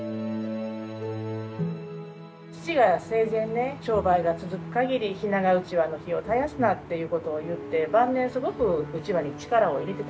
義父が生前ね「商売が続く限り日永うちわの灯を絶やすな」っていうことを言って晩年すごくうちわに力を入れてたんですわ。